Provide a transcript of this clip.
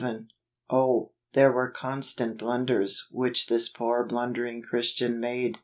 Oh! there were constant blunders which this poor blundering Christian made.